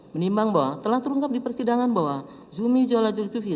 menimbang bahwa telah terungkap di persidangan bahwa zumi jola julvi